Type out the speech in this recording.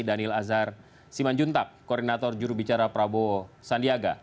daniel azhar simanjuntak koordinator juru bicara prabowo sandiaga